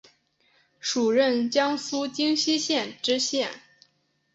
署任江苏荆溪县知县。